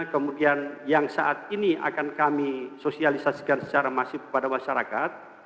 kemudian yang saat ini akan kami sosialisasikan secara masif kepada masyarakat